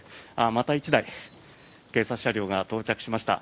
また１台、警察車両が到着しました。